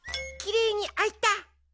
きれいにあいた。